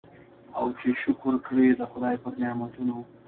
او چي شکر کړي د خدای پر نعمتونو